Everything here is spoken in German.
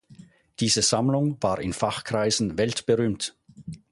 Diese Sammlung war in Fachkreisen weltberühmt.